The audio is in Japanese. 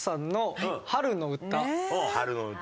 『春の歌』。